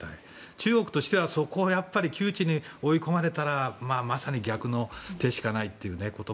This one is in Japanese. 中国としてはそこで窮地に追い込まれたらまさに逆の手しかないということ。